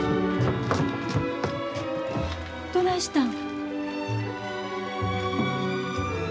どないしたん？